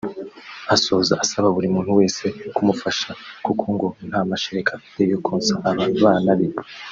Asoza asaba buri muntu wese kumufasha kuko ngo nta mashereka afite yo konsa aba bana be